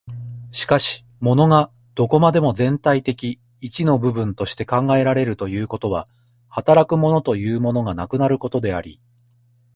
しかし物がどこまでも全体的一の部分として考えられるということは、働く物というものがなくなることであり、